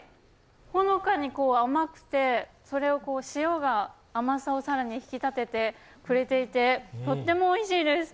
ほのかに甘くて、それを塩が甘さを更に引き立ててくれていて、とってもおいしいです。